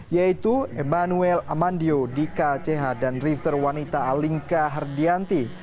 yaitu emmanuel amandio dika cehat dan drifter wanita alinka hardianti